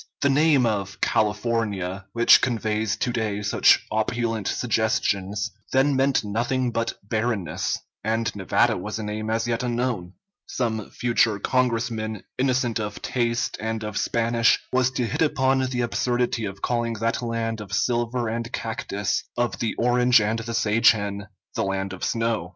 The name of California, which conveys to day such opulent suggestions, then meant nothing but barrenness, and Nevada was a name as yet unknown; some future Congressman, innocent of taste and of Spanish, was to hit upon the absurdity of calling that land of silver and cactus, of the orange and the sage hen, the land of snow.